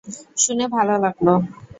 শুনে ভালো লাগলো।